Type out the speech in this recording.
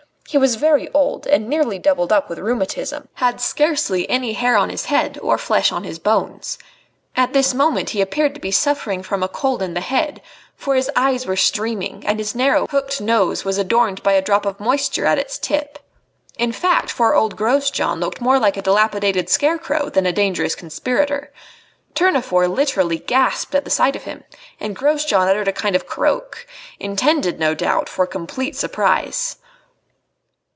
He was very old, and nearly doubled up with rheumatism, had scarcely any hair on his head or flesh on his bones. At this moment he appeared to be suffering from a cold in the head, for his eyes were streaming and his narrow, hooked nose was adorned by a drop of moisture at its tip. In fact, poor old Grosjean looked more like a dilapidated scarecrow than a dangerous conspirator. Tournefort literally gasped at sight of him, and Grosjean uttered a kind of croak, intended, no doubt, for complete surprise.